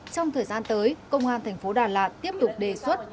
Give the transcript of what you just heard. trong thời gian tới công an thành phố đà lạt tiếp tục đề xuất